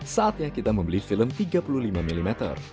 saatnya kita membeli film tiga puluh lima mm